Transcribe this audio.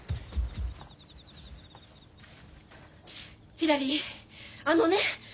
ひらりあのね。